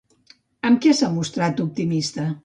Amb què s'ha mostrat optimista?